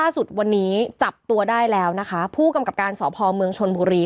สุดวันนี้จับตัวได้แล้วนะคะผู้กำกับการสพเมืองชนบุรี